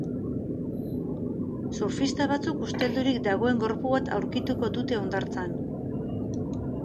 Surfista batzuk usteldurik dagoen gorpu bat aurkituko dute hondartzan.